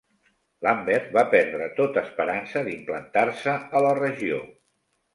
Lambert va perdre tota esperança d'implantar-se a la regió.